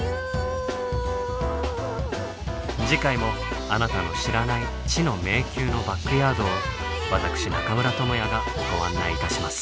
次回もあなたの知らない「知の迷宮」のバックヤードを私中村倫也がご案内いたします。